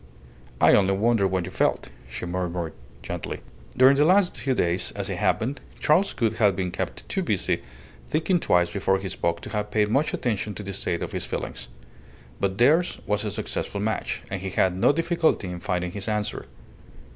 "I only wondered what you felt," she murmured, gently. During the last few days, as it happened, Charles Gould had been kept too busy thinking twice before he spoke to have paid much attention to the state of his feelings. But theirs was a successful match, and he had no difficulty in finding his answer.